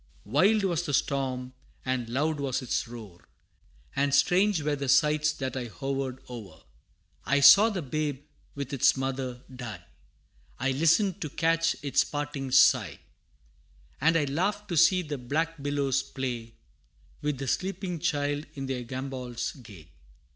wild was the storm, and loud was its roar, And strange were the sights that I hovered o'er: I saw the babe with its mother die; I listened to catch its parting sigh; And I laughed to see the black billows play With the sleeping child in their gambols gay.